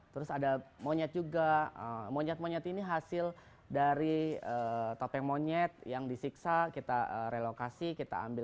terus ada monyet juga monyet monyet ini hasil dari topeng monyet yang disiksa kita relokasi kita ambil